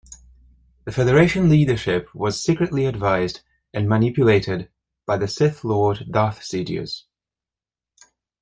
The Federation leadership was secretly advised, and manipulated, by the Sith Lord Darth Sidious.